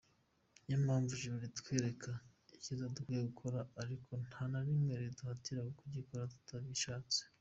Niyo mpamvu Ijuru ritwereka icyiza dukwiye gukora ariko nta na rimwe riduhatira kugikora tutabishatse.